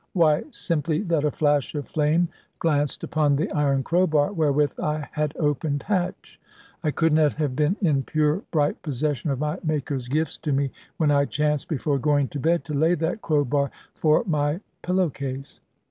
Why simply that a flash of flame glanced upon the iron crowbar, wherewith I had opened hatch. I could not have been in pure bright possession of my Maker's gifts to me when I chanced, before going to bed, to lay that crowbar for my pillow case.